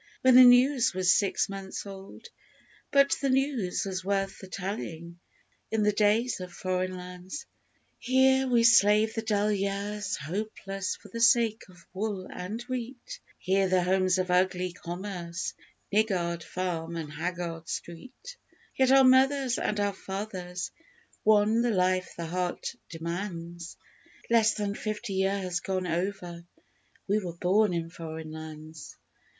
When the news was six months old But the news was worth the telling in the days of Foreign Lands. _Here we slave the dull years hopeless for the sake of Wool and Wheat Here the homes of ugly Commerce niggard farm and haggard street; Yet our mothers and our fathers won the life the heart demands Less than fifty years gone over, we were born in Foreign Lands.